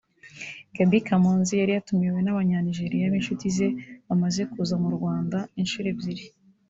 Gaby Kamanzi yari yatumiwe n’abanya Nigeria b’inshuti ze bamaze kuza mu Rwanda inshuro ebyiri